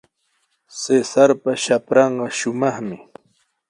Cesarpa shapranqa shumaqmi.